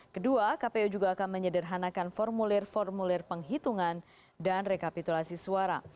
kedua kpu juga akan menyederhanakan formulir formulir penghitungan dan rekapitulasi suara